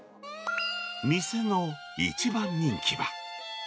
店の一番人気は。